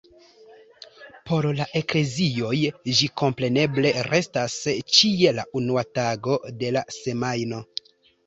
Por la eklezioj ĝi kompreneble restas ĉie la unua tago de la semajno.